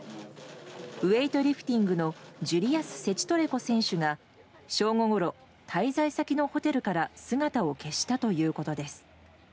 ウエイトリフティングのジュリアス・セチトレコ選手が正午ごろ、滞在先のホテルから姿を消したということです。